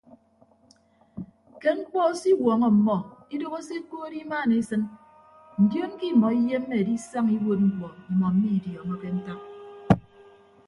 Ke mkpọ se iwuọñọ ọmmọ idooho se ekood imaan esịn ndion ke imọ iyemme edisaña iwuod mkpọ imọ mmidiọọñọke ntak.